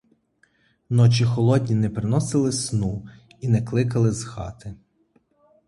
Ночі холодні не приносили сну і не кликали з хати.